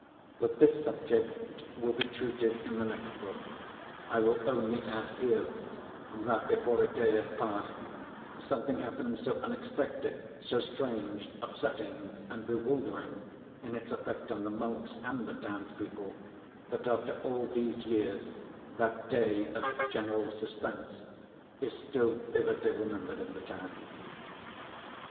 But this subject will be treated in the next book; I will only add here that before a day had passed something happened so unexpected, so strange, upsetting, and bewildering in its effect on the monks and the townspeople, that after all these years, that day of general suspense is still vividly remembered in the town.